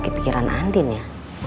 kepikiran andin ya